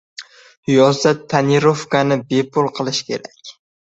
"Yozda "tonirovka"ni bepul qilish kerak"